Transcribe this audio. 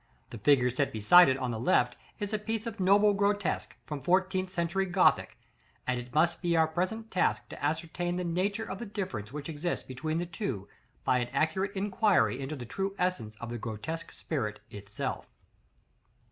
The figure set beside it, on the left, is a piece of noble grotesque, from fourteenth century Gothic; and it must be our present task to ascertain the nature of the difference which exists between the two, by an accurate inquiry into the true essence of the grotesque spirit itself.